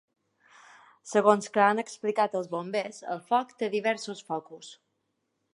Segons que han explicat els bombers, el foc té diversos focus.